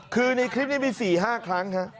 คือในคลิปนี้มี๔๕ครั้ง